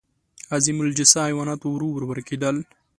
عظیم الجثه حیوانات ورو ورو ورکېدل.